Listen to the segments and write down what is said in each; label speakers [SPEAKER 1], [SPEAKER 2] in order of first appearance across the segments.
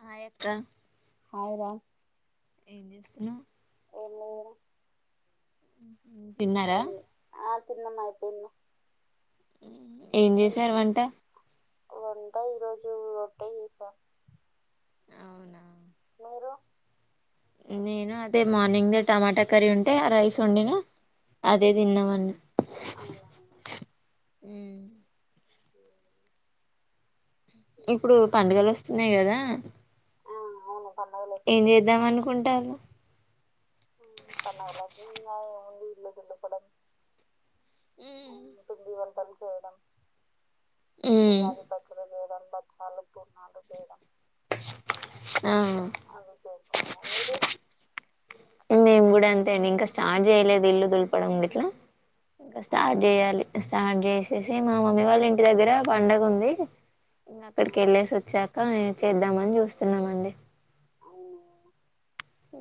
[SPEAKER 1] హాయక్క
[SPEAKER 2] hi రా
[SPEAKER 1] ఏం చేస్తున్నా
[SPEAKER 2] అ
[SPEAKER 1] తిన్నారా
[SPEAKER 2] తిన్నమయ ప
[SPEAKER 1] ఏం చేసారు వంట
[SPEAKER 2] వంద ఈరోజు రటే చేసా
[SPEAKER 1] అవునా
[SPEAKER 2] మీరు
[SPEAKER 1] నేను అదే మార్నింగ్ ద టమాటా కర్రీ ఉంటే ఆ రైస్ ఉండినా అదే తిన్నవడి
[SPEAKER 2] అవువు
[SPEAKER 1] అ ఇప్పుడు పండుగలు వస్తున్నాయి కదా
[SPEAKER 2] పన్నగలచ్చ
[SPEAKER 1] ఏం చేద్దాం అనుకుంటారు
[SPEAKER 2] పన్నగల
[SPEAKER 1] ఆ
[SPEAKER 2] జీవంతం చేయడం
[SPEAKER 1] మ్మ్
[SPEAKER 2] ఉగాది పచ్చడి వేయడం పచ్చాలు పుణాలు చేయడం
[SPEAKER 1] ఎ
[SPEAKER 2] అ విశేస్త అరు
[SPEAKER 1] మేము కూడా అంతే అండి ఇంకా స్టార్ట్ చేయలేదు ఇల్లు దులిపడం ఇట్లా ఇంకా స్టార్ట్
[SPEAKER 2] అవునా
[SPEAKER 1] చేయాలి స్టార్ట్ చేసేసి మా మమ్మీ వాళ్ళ ఇంటి దగ్గర పండగ ఉంది ఇం అక్కడికి
[SPEAKER 2] అవును
[SPEAKER 1] వెళ్ళేసి వచ్చాక చేద్దామని చూస్తున్నామండి
[SPEAKER 2] ఉమ్,
[SPEAKER 1] హ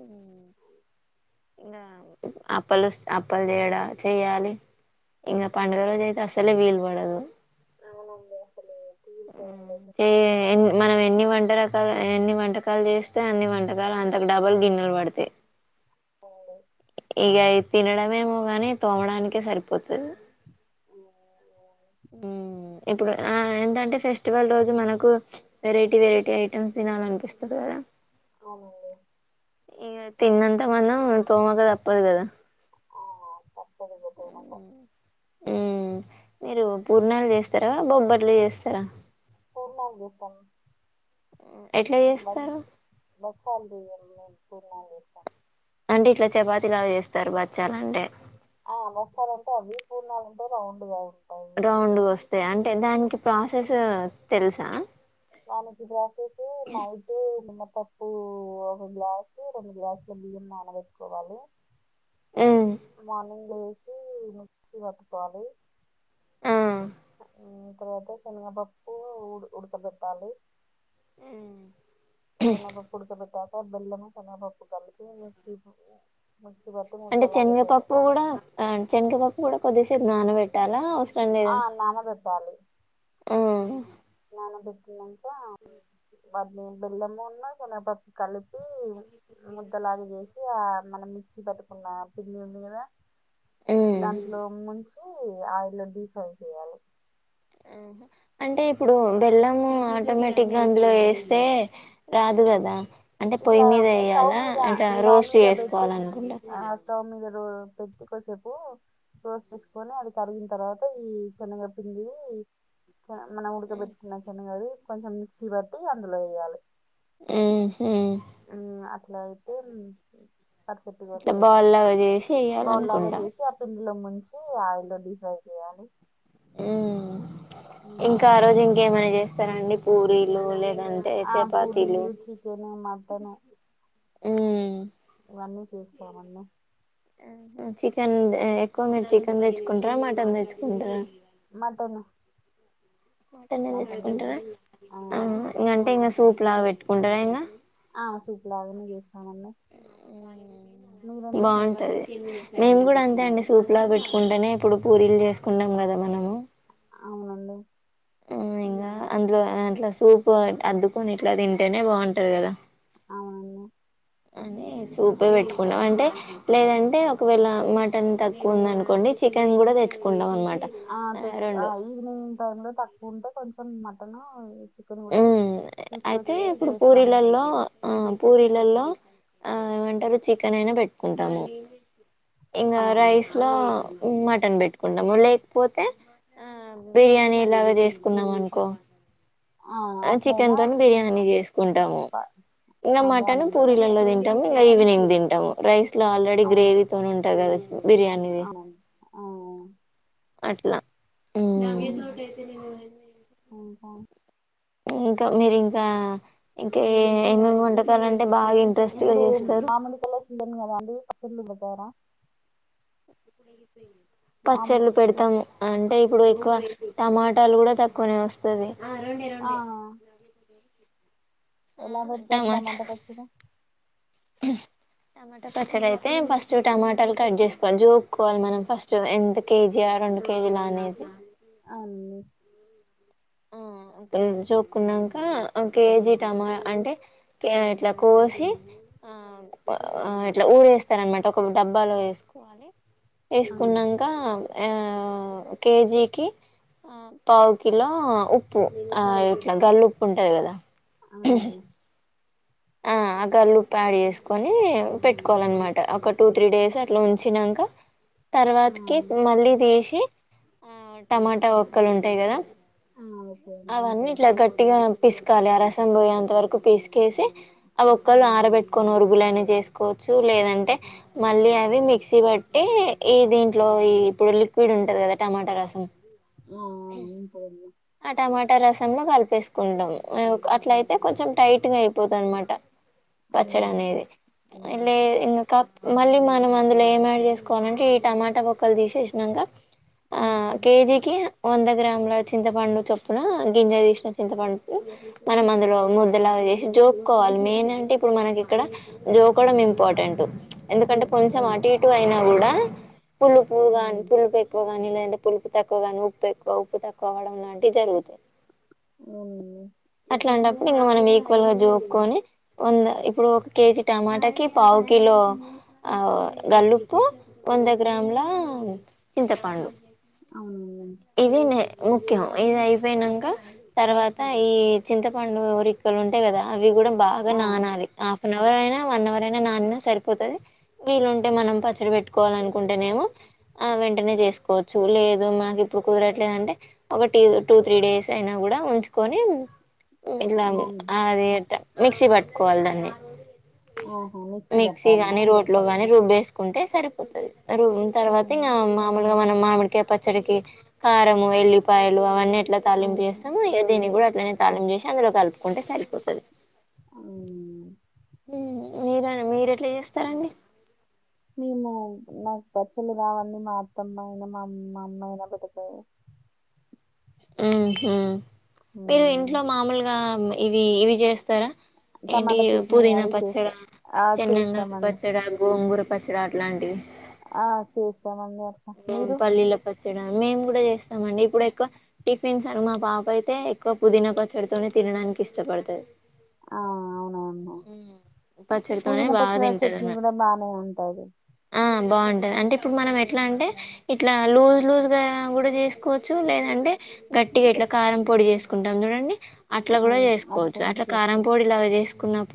[SPEAKER 1] ఇ అప్పలు అప్పలు చేయడా చెయ్యాలి ఇంగ పండుగలు జయిత అసలే వీలు వాడదు
[SPEAKER 2] అవునండి అసలు తీరిపోయిండదు
[SPEAKER 1] ఆ ఎ మనం ఎన్ని వంట రకాలు ఎన్ని వంటకాలు చేస్తే అన్ని వంటకాలు అంతకు డబులు గి వాడతే
[SPEAKER 2] అవు
[SPEAKER 1] ఇక తినడమేమో గాని తోమడానికే సరిపోతుది
[SPEAKER 2] ఉమ్,
[SPEAKER 1] ఉ ఇప్పుడు ఆ ఎంతంటే ఫెస్టివల్ రోజు మనకు వెరైటీ వెరైటీ ఐటెమ్స్ తినాలనిపిస్తుంది సర
[SPEAKER 2] అవునండి
[SPEAKER 1] ఇ తిన్నంత మనం తోమ కదా అప్పదు కదా
[SPEAKER 2] ఆ తప్పదు ఇగ దూరత
[SPEAKER 1] ఆ ఉ మీరు పూర్ణాలు చేస్తారా బొబ్బర్లు చేస్తారా
[SPEAKER 2] పూర్ణ ఉందిస్తాను
[SPEAKER 1] ఎట్లా చేస్తారు
[SPEAKER 2] బ చల్ది పూర్ణ లేస్త
[SPEAKER 1] అంటే ఇట్లా చపాతి ఇలా చేస్తారు బచ్చాల అంటే
[SPEAKER 2] ఆ అలసాలంటే అది పూర్ణ ఉంటే రౌండ్ కా
[SPEAKER 1] రౌండ్ వస్తాయి అంటే దానికి ప్రాసెస్ తెలుసా
[SPEAKER 2] నాననికి ప్రోసేస్ నైట్ పప్పు ఒక గ్లాసు రెండు గ్లాసులు బియ్యం నానబెట్టుకోవాలి
[SPEAKER 1] ఉమ్
[SPEAKER 2] మార్నింగ్ వేసి ముసి కట్టుకోవాలి
[SPEAKER 1] ఆ
[SPEAKER 2] ఓ తర్వాత శనగపప్పు ఉ ఉడకబెట్టాలి
[SPEAKER 1] ఆ
[SPEAKER 2] సన్న పప్పు ఉడుక పెట్టాక బెల్ము సన్న పప్పు కలిపి మిక్స
[SPEAKER 1] అంటే చెనగపప్పు కూడా చెనగపప్పు కూడా కొద్దిసేపు నాన పెట్టాలా
[SPEAKER 2] ఆ నాన పెట్టాలి.
[SPEAKER 1] ఉమ్
[SPEAKER 2] నానబెట్టినంక వాటిని బెల్లం ఉన్న శనగపప్పు కలిపి పీ ముద్దలాగా చేసి ఆ మనం మిక్సీ పట్టుకున్న పిండి ఉంది కదా
[SPEAKER 1] ఉమ్
[SPEAKER 2] దాంట్లో ముంచి, ఆయిల్లో డీ ఫ్రై చేయాలి.
[SPEAKER 1] ఆ అంటే ఇప్పుడు బెల్లము ఆటోమేటిక్ గా అందులో ఏస్తే రాద్ దు కదా అంటే పొయ్యి
[SPEAKER 2] ఇట్లా
[SPEAKER 1] మీద
[SPEAKER 2] స్టవ్
[SPEAKER 1] వేయాలా
[SPEAKER 2] మీద,
[SPEAKER 1] అట్లా
[SPEAKER 2] స్టవ్
[SPEAKER 1] రోస్ట్
[SPEAKER 2] మీద పెట్టి
[SPEAKER 1] చేసుకోవాలనుకుంటా
[SPEAKER 2] ఆ స్టవ్ మీద రు పెట్టి కసేపు రోస్ట్ చేసుకొని అది కరిగిన తర్వాత ఈ శనగపిండి క మనం ఉడకబెట్టుకున్న శనగది కొంచెం మిక్సీ పట్టి అందులో ఏయాలి.
[SPEAKER 1] ఉమ్ హు
[SPEAKER 2] ఆమ్ అట్లా అయితే పర్ఫెక్ట్గా
[SPEAKER 1] ఇట్లా
[SPEAKER 2] వస్తది
[SPEAKER 1] బాల్ లాగా చేసి ఎయ్యాలనుకుంటా
[SPEAKER 2] ల ముంచి ఆయిల్లో డిఫ్రై చేయాలి.
[SPEAKER 1] ఉమ్ ఇంకా ఆ
[SPEAKER 2] ఉమ్
[SPEAKER 1] రోజు ఇంకేమైన చేస్తారండి పూరీలు, లే
[SPEAKER 2] ఆ పూరీలు, చికెను మటను
[SPEAKER 1] ఉమ్
[SPEAKER 2] ఇవన్నీ చేస్తామన్ని
[SPEAKER 1] చికెన్ ఎక్కువ మీరు చికెన్ తెచ్చుకుంటరా, మటన్ తెచ్చుకుంటరా
[SPEAKER 2] మటను
[SPEAKER 1] మాటనే తెచ్చుకుంటరా,
[SPEAKER 2] ఆ
[SPEAKER 1] ఉమ్ ఇంగంటే ఇంగ సూప్ లాగా పెట్టుకుంటరా ఇంగ
[SPEAKER 2] ఆ సూపులాగానే చేస్ మీరండి
[SPEAKER 1] బాగుంటది నేను కూడా అంతే అండి సూప్లా పెట్టుకుంటేనే ఇప్పుడు పూరీలు చేసుకుంటాం కదా మనము
[SPEAKER 2] అవునండి
[SPEAKER 1] ఆ అందులో ఆ అట్ల సూపు అద్దుకొని ఇట్ల తింటేనే బాగుంటది కదా.
[SPEAKER 2] అవునండి
[SPEAKER 1] అని సూపే పెట్టుకుంటం, అంటే లేదంటే ఒకవేళ మటన్ తక్కువ ఉందనుకోండి చికన్ గుడ తెచ్చుకుండం అమాట
[SPEAKER 2] ఆ తెచ్చి ఆ ఈవినింగ్ టైం లో తక్కువ ఉంటే కొంచెం మటను
[SPEAKER 1] ఉమ్ అయితే ఇప్పుడు
[SPEAKER 2] చేస్తాము
[SPEAKER 1] పూరీలల్లా ఆ పూరీలల్లా ఆ ఏమంటరు చికెన్ అయినా పెట్టుకుంటాము, ఇంగ
[SPEAKER 2] ఆ
[SPEAKER 1] రైస్
[SPEAKER 2] అవును
[SPEAKER 1] ల ఉమ్ మటన్ పెట్టుకుంటాము లేకపోతే ఆ బిర్యానీ లాగా చేసుకుందామనుకో ఆ చికెన్ తోని బిర్యానీ చేసుకుంటము ఇంగ
[SPEAKER 2] బానే
[SPEAKER 1] మటను
[SPEAKER 2] ఉంటదండి
[SPEAKER 1] పూరిలల్లో
[SPEAKER 2] అట్లా
[SPEAKER 1] తింటము, ఇంగ ఈవినింగ్ తింటము రైస్ లో ఆల్రెడీ గ్రేవీ తోనీ తింట గద
[SPEAKER 2] అవు ఆ
[SPEAKER 1] అట్లా ఉమ్
[SPEAKER 2] అవును ఇంకా
[SPEAKER 1] ఇంక మీరింకా ఇంకా ఏమేమి వంటకాలు
[SPEAKER 2] ఇప్పుడు మామిడి పల్ల సీజన్ కదా అండి, పచల్లు పెట్టారా? మామ
[SPEAKER 1] పచ్చళ్ళు పెడతాము, అంటే ఇప్పుడు ఎక్కువ టమాటాలు కూడా తక్కువనే వస్తది.
[SPEAKER 2] ఆ ఎలా పెడితారు టమాట పచ్చడి?
[SPEAKER 1] ఉహ్ టమాటా పచ్చడయితే ఫస్ట్ టమాటాలు కట్ చేసుకోవాలి, జూక్కోవాలె మనం ఫస్ట్, ఎంత కేజీ రెండు కేజీలు అనేది
[SPEAKER 2] అవుంది
[SPEAKER 1] ఉమ్ జోక్కునంక ఒక కేజీ టమా అంటే ట ఇట్ల కోసి ఆ ఆ ఇట్లా ఊరు వేస్తారనమాట ఒక డబ్బాలో వేసుకోవాలి.
[SPEAKER 2] ఆ
[SPEAKER 1] వేసుకున్నంక ఆ ఆ కేజీకి ఆ పావు కిల ఆ.. ఉప్పు ఇట్లా గల్ళు ఉప్పు ఉంటంది కదా
[SPEAKER 2] మ్
[SPEAKER 1] ఆ ఆ కల్లుప్పు యాడ్ చేసుకొని పెట్టుకోవాలన్నమాట ఒక టూ త్రీ డేస్ అట్లా ఉంచినాంక
[SPEAKER 2] ఆ
[SPEAKER 1] తర్వాతకి మళ్ళీ తీసి ఆ టమాటా ఒక్కలు ఉంటాయి కదా
[SPEAKER 2] ఆ ఓకే అండి
[SPEAKER 1] అవన్నీ
[SPEAKER 2] ఉంటాయి
[SPEAKER 1] ఇట్లా గట్టిగా పిసకాలి ఆ రసం పొయ్యే అంత వరకు పిసికేసి ఆ ఒక్కళ్ళు
[SPEAKER 2] ఉమ్,
[SPEAKER 1] ఆరబెట్టుకొని ఒరుగులని చేసి వచ్చు లేదంటే మళ్ళీ అది మిక్సీ బట్టి ఈ దీంట్లో ఇప్పుడు లిక్విడ్ ఉంటది కదా టమాటా రసం
[SPEAKER 2] ఆ ఉంటాది
[SPEAKER 1] ఆ టమాటా రసంలో కలిపేసుకుంటమె అట్లయితే కొంచెం టైట్గా అయిపోద్ది అనమాట
[SPEAKER 2] అవునండి
[SPEAKER 1] పచ్చడనేది లే
[SPEAKER 2] ఉమ్
[SPEAKER 1] ఇంగ కాత్ మళ్ళీ మనం అందులో ఏం యాడ్ చేసుకోవాలంటే ఈ టమాటా ఒక్కలు తీసేషినాంక ఆ
[SPEAKER 2] ఉమ్
[SPEAKER 1] కేజికి వంద గ్రామ్ ల చి చింతపండు చొప్పున గింజతీసిన చింతపండు మనం అందులో ముద్దలాగా చేసి జోక్కోవాలి మెయిన్ అంటే ఇప్పుడు మనకి ఇక్కడ జోకడం ఇంపార్టెంట్
[SPEAKER 2] జో
[SPEAKER 1] ఎందుకంటే కొంచెం
[SPEAKER 2] ఉమ్
[SPEAKER 1] అటు ఇటు అయినా గూడా పులుపు గానీ
[SPEAKER 2] ఉమ్
[SPEAKER 1] పులుపు ఎక్కువ గానీ లేదంటే పులుపు తక్కువగానీ ఉప్పు ఎక్కువ ఉప్పు తక్కువ వడం లాంటివి జరుగుతాయి
[SPEAKER 2] అవునండి
[SPEAKER 1] అట్లాంటప్పుడు ఇంక మనం ఈక్వల్ గా జో కొని వంద ఇప్పుడు ఒక కేజీ టమాటాకిి పావు కిలో ఆ గల్లుప్పు వంద గ్రాముల చింతపండు
[SPEAKER 2] అవును
[SPEAKER 1] ఇది నే ముఖ్యం ఇది అయిపోయినాంక తర్వాత ఈ చింతపండు ఒరిక్కలు ఉంటాయి కదా అవి కూడా బాగా
[SPEAKER 2] ఆ
[SPEAKER 1] నానాలి హాఫ్ అన్ అవర్ అయినా వన్ అవర్ అయినా నానినా సరిపోతది వీలుంటే మనం పచ్చడి పెట్టుకోవాల నుకుంటేనేమ ఆ వెంటనే చేసుకోవచ్చు లేదు మనకి ఇప్పుడు కుదరట్లేదంటే ఒక టూ త్రీ డేస్ అయినా కూడా ఉంచుకోని ఇట్ల
[SPEAKER 2] అవును
[SPEAKER 1] ఆ అది ఇట్ట మిక్సీ పట్టుకోవాలి దాన్ని
[SPEAKER 2] ఆహా
[SPEAKER 1] మిక్సీ
[SPEAKER 2] పట్టాలనా
[SPEAKER 1] గాని రోట్లో గాని రుబ్బేసుకుంటే సరిపోతది రుబ్బిన
[SPEAKER 2] ఆ
[SPEAKER 1] తరువాత ఇంకా మామూలుగా మనం మామిడికాయ పచ్చడికి కారము ఎల్లి పా యలు అవన్నీ ఎట్లా
[SPEAKER 2] అవును
[SPEAKER 1] తాలింపుచేస్తామోఇక దీన్ని కూడా
[SPEAKER 2] చేస్తా
[SPEAKER 1] అట్లానే తాలింపు చేసి అందులో కలుపుకుంటే సరిపోతుంది
[SPEAKER 2] మ్
[SPEAKER 1] మ్ మీర మీరు ఎట్లా చేస్తారండి
[SPEAKER 2] మేము నాకు పచ్చలు రావడి మా అత్తమ్మయినా మా అమ్మాయినా పెడితే
[SPEAKER 1] మ్ హుమ్ మీరు ఇంట్లో
[SPEAKER 2] మ్మ్.
[SPEAKER 1] మామూలుగా ఇవీ ఇవి చేస్తారా ఏంటి
[SPEAKER 2] టమాటా చట్నీ
[SPEAKER 1] పుదీనా
[SPEAKER 2] అవి చేస్తా
[SPEAKER 1] పచ్చడా
[SPEAKER 2] ఆ
[SPEAKER 1] చెన్నంగాకు
[SPEAKER 2] చేస్తామండి
[SPEAKER 1] పచ్చడా గోంగూర పచ్చడా అట్లాంటివి
[SPEAKER 2] ఆ చేస్తామండి అట్లా
[SPEAKER 1] వం
[SPEAKER 2] మీరు
[SPEAKER 1] పల్లీల పచ్చడా మేమ్ కూడా చేస్తామండి ఇప్పుడు ఎక్కువ టిఫిన్స్ అన్ మా పాపైతే ఎక్కువ పుదీనా పచ్చడతోనే తినడానికి ఇష్టం అయితే
[SPEAKER 2] ఆ అవునవును
[SPEAKER 1] పచ్చడితోనే
[SPEAKER 2] పుదీనా
[SPEAKER 1] బాగా
[SPEAKER 2] పచ్చడ చట్నీ కూడా బానే ఉంటాది
[SPEAKER 1] అ బావుటది అంటే ఇప్పుడు మనం ఎట్లా అంటే ఇట్లా లూజ్ లూజ్గా కూడా చేసుకోవచ్చు లేదంటే గట్టిగా
[SPEAKER 2] ఇంకా
[SPEAKER 1] ఇట్లా కారం పొడి చేసుకుంటాం జుడండి అట్లా కూడా
[SPEAKER 2] మ్మ్.
[SPEAKER 1] చేసుకోవచ్చు
[SPEAKER 2] కూడా
[SPEAKER 1] అట్లా కారం
[SPEAKER 2] చేసుకోవచ్చు
[SPEAKER 1] పొడిలాగ చేసుకున్నప్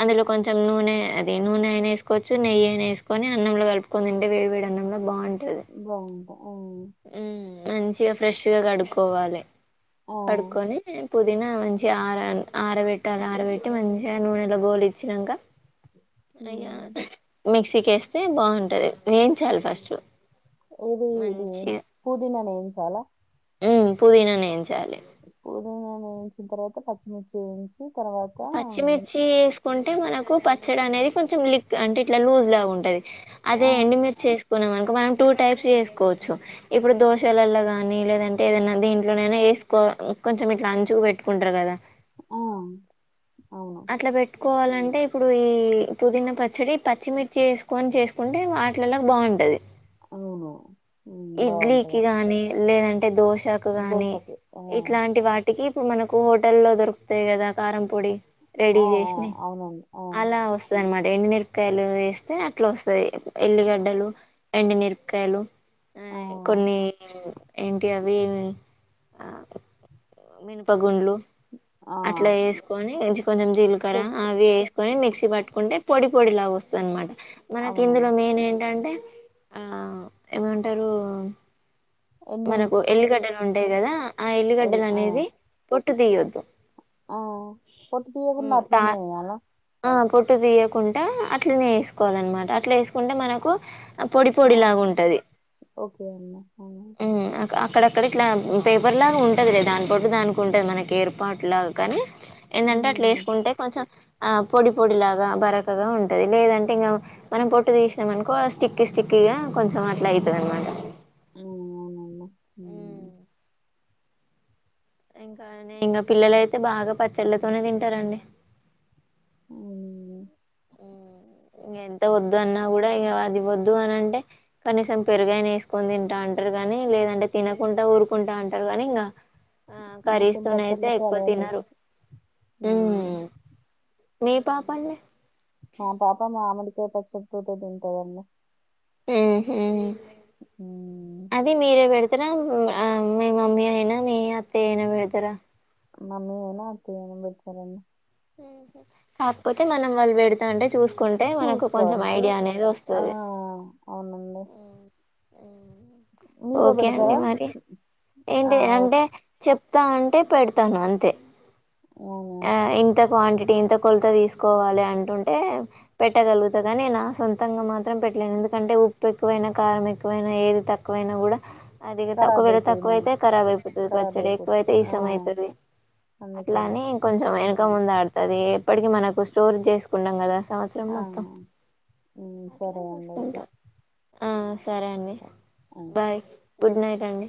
[SPEAKER 1] అందులో కొంచం నూనె అది నూనైనా ఏసుకోవచ్చు నెయ్యి అయిన వేసుకొని అన్నంలో కలుపుకొని తినొచ్ వేడి వేడి అన్నంలో బావుటది
[SPEAKER 2] బావుంటా
[SPEAKER 1] మ్ మంచిగా ఫ్రెష్ గా కడుక్కోవాలి
[SPEAKER 2] ఆ
[SPEAKER 1] కడుక్కొని పుదీనా మంచిగా ఆరాలి ఆరబెట్టాలి ఆరబెట్టి మంచిగా నూనెలో గోలిచ్చినంకా అయ్యా
[SPEAKER 2] మ్మ్.
[SPEAKER 1] మిక్సీకేస్తే బావుంటది వేయించాలి ఫస్ట్
[SPEAKER 2] ఇది ఇది పూదీనానీ ఏంచాలా
[SPEAKER 1] హు పుదీనానే ఎంచాలే
[SPEAKER 2] పుదీనా వేయించిన తరువాత పచ్చిమిర్చి ఏంచీ
[SPEAKER 1] పచ్చిమిర్చి ఏసుకుంటే మనకు పచ్చడ అనేది కొంచెం లీక్ అంటే ఇట్లా లూజులా ఉంటది
[SPEAKER 2] ఆ
[SPEAKER 1] అదే
[SPEAKER 2] ఆ
[SPEAKER 1] ఎండుమిర్చి వేసుకున్నామనుకో మనం టూ టైప్స్ చేసుకోవచ్చు ఇప్పుడు దోశలల్ల గా ని లేదంటే ఏదన్నా దీంట్లోనైనా వేసుకో కొంచెం ఇట్లా అంచుకు పెట్టుకుంటారు కదా
[SPEAKER 2] ఆ
[SPEAKER 1] అట్లా బెట్టు కోవాలంటే ఇప్పుడు ఈ పుదీనా పచ్చడి పచ్చిమిర్చి వేసుకొని చేసుకుంటే వాటిళ్లకు బాగుంటది
[SPEAKER 2] హొ నో
[SPEAKER 1] ఇడ్లీకి గాని లేదంటే దోశకు గాని
[SPEAKER 2] దోసకి. ఆ!
[SPEAKER 1] ఇట్లాంటి వాటు టికి ఇప్పుడు మనకు హోటల్లో దొరుకుతాయి కదా కారం పొడి
[SPEAKER 2] ఆ!
[SPEAKER 1] రెడీ
[SPEAKER 2] ఆ!
[SPEAKER 1] చేసిన్నాయ్
[SPEAKER 2] అవునండి. ఆ!
[SPEAKER 1] అలా వస్తదాన్మాట్ ఎండునిర్పకాయలు వేస్తే అట్లా వస్తది
[SPEAKER 2] ఆ!
[SPEAKER 1] ఎల్లిగడ్డలు ఎండునిర్పకాయలు
[SPEAKER 2] ఆ!
[SPEAKER 1] హై కొన్ని ఏంటియి అవి ఆ మినపగుండ్లు
[SPEAKER 2] ఆ!
[SPEAKER 1] అట్లా వేసుకొని ఎంచు కొంచెం జీలకర్ర
[SPEAKER 2] చేస్తా.
[SPEAKER 1] అవి వేసుకొని మిక్సీ టి పట్టుకుంటే పొడి పొడిలాగా వస్తదన్నమాట మనకి ఇందులో
[SPEAKER 2] అవునండి.
[SPEAKER 1] మెయిన్ ఏంటంటే ఆ ఏమంటారు మనకు
[SPEAKER 2] ఎండుమిర్చి
[SPEAKER 1] ఎల్లిగడ్డలుంటాయి కదా ఆ
[SPEAKER 2] ఎల్
[SPEAKER 1] ఎల్లిగడ్డలు
[SPEAKER 2] ఆ!
[SPEAKER 1] అనేది పొట్టు తీయొద్దు
[SPEAKER 2] ఆ పొట్టు
[SPEAKER 1] ఉమ్
[SPEAKER 2] తియకున్న
[SPEAKER 1] తా
[SPEAKER 2] అట్లనే వేయాలా
[SPEAKER 1] ఆ పొట్టు తీయకుండా అట్లనే వేసుకోవాలన్నమాట అట్లా వేసుకుంటే మనకు పొడి
[SPEAKER 2] ఆ!
[SPEAKER 1] పొడిలాగా ఉంటది
[SPEAKER 2] ఓకే అండి. ఆ!
[SPEAKER 1] హు అక్ అక్కడ కాడిట్ల పేపర్ లాగా ఉంటదిలే దాని పోటు దానికి ఉంటది మనకి
[SPEAKER 2] హ్మ్.
[SPEAKER 1] ఏర్పాట్లా కానీ ఎందంటే అట్లా
[SPEAKER 2] హ్మ్.
[SPEAKER 1] వేసుకుంటే కొంచం ఆ పొడి పొడి లాగా బరకగా ఉంటది లేదంటే ఇంగా మనం పొట్టు తీసినమానకో స్టిక్కి స్టిక్కి ఇగా కొంచం అట్లా అయితది అనుమాట
[SPEAKER 2] అవునన్న హు
[SPEAKER 1] ఇంకానే ఇంగా పిల్లలైతే బాగా పచ్చళ్ళతోనే తింటారండి
[SPEAKER 2] అవిగో
[SPEAKER 1] హు ఇంగా ఎంత వద్దు అన్నా కూడా ఇగ అది వద్దు ఆనంటే కనీసం పేరుగైన వేసుకొని తింటాట్రూ గాని లేదంటే తినకుంటా ఊరుకుంటంటారు గాని ఇంగా ఆ
[SPEAKER 2] మొత్తం
[SPEAKER 1] కరిస్తోనైతే
[SPEAKER 2] పచ్చళ్ళకే
[SPEAKER 1] ఎక్కువ తినరు
[SPEAKER 2] అలవాటయిపోతది.
[SPEAKER 1] ఉ
[SPEAKER 2] హ్మ్.
[SPEAKER 1] మీ పాప అండి
[SPEAKER 2] మా పాప మామిడికాయ పచ్చడ తోటే తింటది అన్నా
[SPEAKER 1] ఉహు
[SPEAKER 2] హ్మ్.
[SPEAKER 1] అది మీరే వేడు తిరవు ఆ మీ మమ్మీ అయినా మీ అత్తయ్య అయినా వేడతారా.
[SPEAKER 2] మమ్మీ అయిన అత్తయ్య అయినా మెరుస్తారండి.
[SPEAKER 1] ఉహు కాకపోతే మనం వాళ్ళు వేడతంటే చూసుకుంటే మనకు
[SPEAKER 2] చూసుకో
[SPEAKER 1] కొంచెం
[SPEAKER 2] అంతే.
[SPEAKER 1] ఐడియా అనేది
[SPEAKER 2] ఆ
[SPEAKER 1] వస్తది
[SPEAKER 2] అవునండి
[SPEAKER 1] ఉ
[SPEAKER 2] మీరే
[SPEAKER 1] ఓకే అండి
[SPEAKER 2] పెడతారా
[SPEAKER 1] మరి
[SPEAKER 2] ఆ
[SPEAKER 1] ఏంటిది
[SPEAKER 2] ఓకే.
[SPEAKER 1] అంటే చెప్ త అంటే పెడతాను అంతే
[SPEAKER 2] అవునా
[SPEAKER 1] ఆ ఇంత క్వాంటి టి ఇంత కొలత తీసుకోవాలి అంటుంటే పెట్టగలుగుతా కానీ నా సొంతంగా మాత్రం పెట్టలేనందుకు ఎందుకంటే ఉప్పు ఎక్కువైనా కారం ఎక్కువైనా ఏది తక్కు తక్కువైనా కూడా అది తక్కు ఒక్క
[SPEAKER 2] ఖరాబ్
[SPEAKER 1] వేళ
[SPEAKER 2] అయితాయి
[SPEAKER 1] తక్కువ
[SPEAKER 2] మళ్ళా
[SPEAKER 1] అయితే ఖరాబ్ అయిపోతది.
[SPEAKER 2] ఖరాబ్
[SPEAKER 1] పచ్చడి
[SPEAKER 2] అయిపోతాయి
[SPEAKER 1] ఎక్కువైతే
[SPEAKER 2] ఆ
[SPEAKER 1] ఈసాం అయితది. అట్లా
[SPEAKER 2] అందుకనే
[SPEAKER 1] అని కొంచెం వెనక ముందు ఆడుతది ఎప్పటికి మనకు స్టోర్ చేసుకుంటాం కదా సంవత్సరం
[SPEAKER 2] ఆ
[SPEAKER 1] మొత్తం
[SPEAKER 2] ఉమ్,
[SPEAKER 1] అట్లా
[SPEAKER 2] సరే అండి అయితే
[SPEAKER 1] చూసుకుంటాం ఆ సరే అండి బాయ్ గుడ్ నైట్ అండి